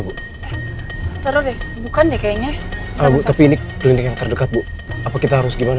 bu tara deh bukan deh kayaknya bu tapi ini klinik yang terdekat bu apa kita harus gimana